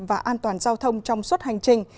và an toàn giao thông trong suốt hành trình